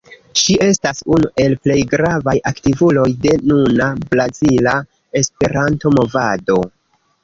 Ŝi estas unu el plej gravaj aktivuloj de nuna brazila Esperanto-Movado.